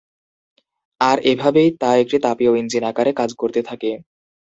আর এভাবেই তা একটি তাপীয় ইঞ্জিন আকারে কাজ করতে থাকে।